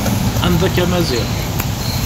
Anda-k a Maziɣ.